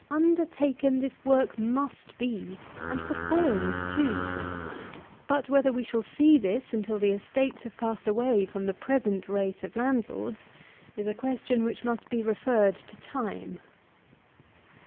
Undertaken this work must be, and performed too; but whether we shall see this until the estates have passed away from the present race of landlords, is a question which must be referred to time.